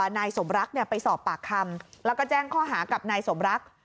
นายสมรักไปสอบปากคำแล้วก็แจ้งข้อหากับนายสมรัก